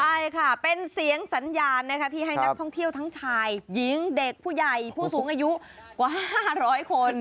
ใช่ค่ะเป็นเสียงสัญญาณนะคะที่ให้นักท่องเที่ยวทั้งชายหญิงเด็กผู้ใหญ่ผู้สูงอายุกว่า๕๐๐คน